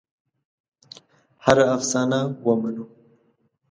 هره افسانه ومنو.